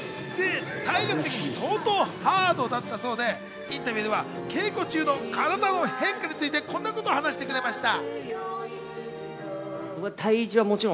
体力的に相当ハードだったそうで、インタビューでは稽古中の体の変化についてこんなことを話してくれました。